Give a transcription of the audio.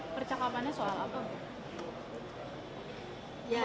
percakapannya soal apa bu